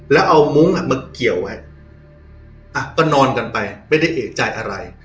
แล้วเอามุ้งอ่ะมาเกี่ยวไว้อ่ะก็นอนกันไปไม่ได้เอกใจอะไร